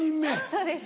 そうです